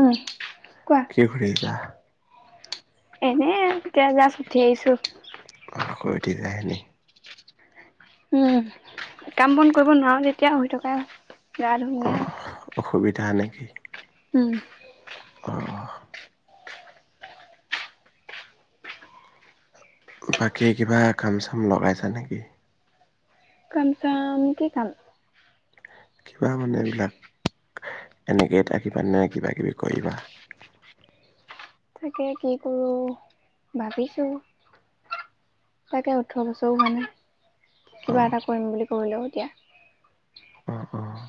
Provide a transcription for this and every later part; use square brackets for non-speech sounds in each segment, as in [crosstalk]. হু কি কৰি আছা? এনে, এতিয়া জাছ উঠি আহিছোঁ। আকৌ উঠি যায়নি? উম, কাম বন কৰিব নোৱাৰো যেতিয়া শুই থকা গা অ ধুনীয়া অসুবিধা নেকি? উম। অ'। বাকী কিবা কাম চাম লগাইছা নেকি? কাম চাম, কি কাম? কিবা মানে এইবিলাক এনেকেয়ে থাকিবা নে কিবা কিবি কৰিবা? তাকে কি কৰোঁ, ভাবিছোঁ। তাকে ওঠৰ বছৰো হোৱা নাই, মানে অ কিবা এটা কৰিম বুলি কলেও এতিয়া অ', অ'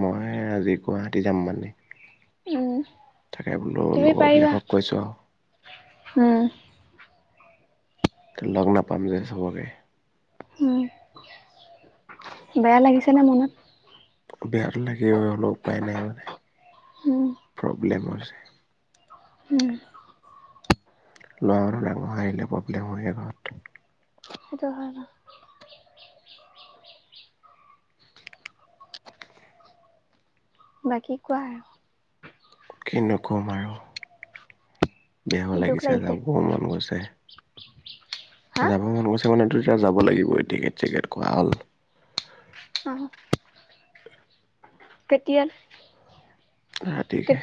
মই আজি গুৱাহাটী যাম মানে। উম তাকে বোলো তুমি পাৰিবা লগৰবিলাকক কৈছোঁ আৰু। উম। লগ নাপাম যে চবকে। উম, বেয়া লাগিছে নে মনত? বেয়াতো লাগিব হ'লেও উপায় নাই, মানে উম প্ৰব্লেম হৈছে। উম। ল'ৰা মানুহ ডাঙৰ হৈ আহিলে প্ৰব্লেম হয়ে ঘৰত। সেইটো হয় বাৰু। বাকী কোৱা? কিনো ক'ম আৰু, কি বেয়াও দুখ লাগিছে, যাবও মন গৈছে। হা যাব মন গৈছে মানেতো এতিয়া যাব লাগিবই টিকেট চিকেট কৰা হ'ল। অ'। কেতিয়ালে? ৰাতিকে,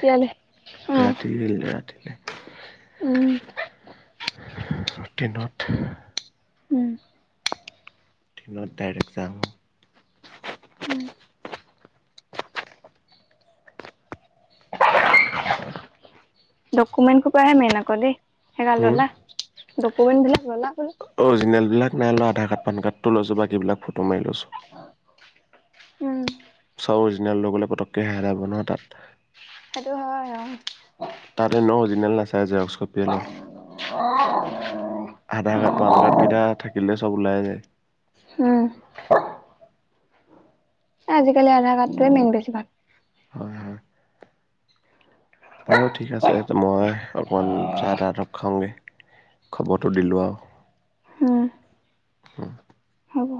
অ ৰাতি দিল ৰাতিলে। উম। ট্ৰেইনত। উম। দিনত ডাইৰেক্ট যাম। উম ডকুমেণ্ট সোপাহে মেইন আকৌ দেই, সেইকাৰ উম ল'লা ডকুমেন্টবিলাক ল'লা বোলো? অৰিজিনেল বিলাক নাই লোৱা, আধাৰ কাৰ্ড, পান কাৰ্ডটো লৈছোঁ, বাকিবিলাক ফটো মাৰি লৈছোঁ। উম। চব অৰিজিনেল লৈ গ'লে পতকে হেৰাব নহ তাত। সেইটো হয়, অ'। তাত এনেও অৰিজিনেল নাচায়, জেৰক্স কপিয়ে লয়। অ'। আধাৰ কাৰ্ড, পান কাৰ্ড কেইটা থাকিলে চব ওলাই যায়। উম। এ আজিকালি আধাৰ কাৰ্ডটোৱে মেইন বেছি ভাগ। হয়, হয়। বাৰু ঠিক আছে, মই অকমান চাহ তাহ [unintelligible] খাওঁগৈ, খবৰটো দিলোঁ আৰু। উম। উম। হ'ব।